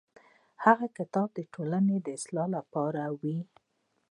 هغه کتاب د ټولنې د اصلاح لپاره و.